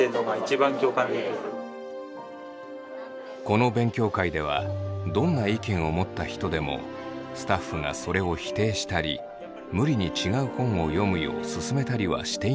この勉強会ではどんな意見を持った人でもスタッフがそれを否定したり無理に違う本を読むよう勧めたりはしていないという。